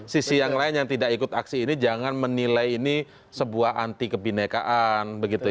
sisi yang lain yang tidak ikut aksi ini jangan menilai ini sebuah anti kebinekaan